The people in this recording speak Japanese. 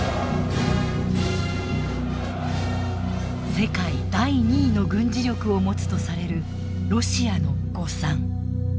世界第２位の軍事力を持つとされるロシアの誤算。